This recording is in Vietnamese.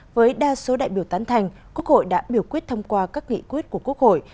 với đa số đại biểu tán thành quốc hội đã biểu quyết thông qua các nghị quyết của quốc hội